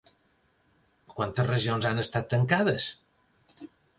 Quantes regions han estat tancades?